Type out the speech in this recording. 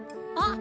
あ？